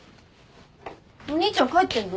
お兄ちゃん帰ってんの？